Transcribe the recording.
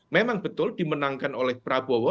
memang betul dimenangkan oleh prabowo